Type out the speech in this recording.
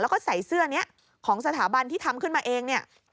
แล้วก็ใส่เสื้อนี้ของสถาบันที่ทำขึ้นมาเองเนี่ย